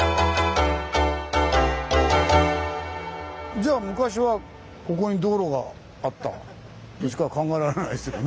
じゃあ昔はここに道路があったとしか考えられないですよね。